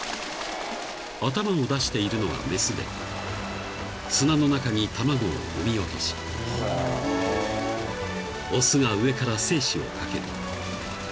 ［頭を出しているのが雌で砂の中に卵を産み落とし雄が上から精子をかける］